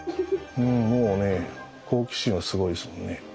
もうね好奇心はすごいですもんね。